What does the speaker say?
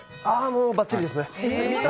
もうバッチリですね。